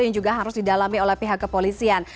yang juga harus didalami oleh pihak kepolisian